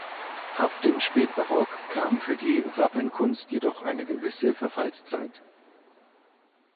Ab dem Spätbarock kam für die Wappenkunst jedoch eine gewisse Verfallszeit.